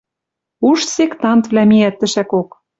Уж сектантвлӓ миӓт тӹшӓкок.